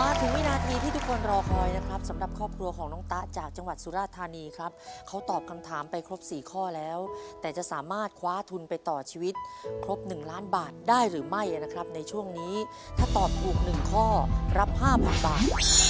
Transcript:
มาถึงวินาทีที่ทุกคนรอคอยนะครับสำหรับครอบครัวของน้องตะจากจังหวัดสุราธานีครับเขาตอบคำถามไปครบ๔ข้อแล้วแต่จะสามารถคว้าทุนไปต่อชีวิตครบ๑ล้านบาทได้หรือไม่นะครับในช่วงนี้ถ้าตอบถูก๑ข้อรับ๕๐๐๐บาท